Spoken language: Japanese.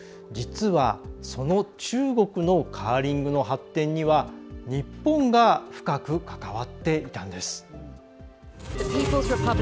実は、その中国のカーリングの発展には日本が深く関わっていたんです。